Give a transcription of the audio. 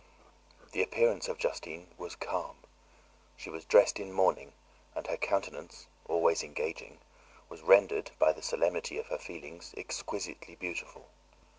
The appearance of Justine was calm. She was dressed in mourning, and her countenance, always engaging, was rendered, by the solemnity of her feelings, exquisitely beautiful.